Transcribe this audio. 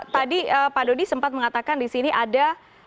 tadi pak dodi sempat mengatakan di sini ada